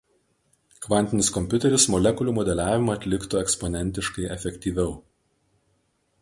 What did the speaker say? Kvantinis kompiuteris molekulių modeliavimą atliktų eksponentiškai efektyviau.